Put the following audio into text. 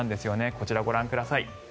こちら、ご覧ください。